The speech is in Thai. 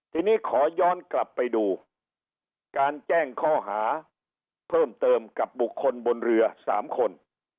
ทีนี้ขอย้อนกลับไปดูการแจ้งข้อหาเพิ่มเติมกับบุคคลบนเรือ๓คน